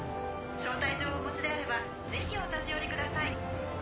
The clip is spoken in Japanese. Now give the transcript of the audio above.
招待状をお持ちであればぜひお立ち寄りください。